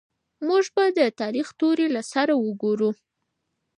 موږ به د تاريخ توري له سره ګورو.